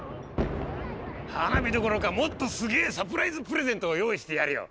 花火どころかもっとすげえサプライズプレゼントを用意してやるよ。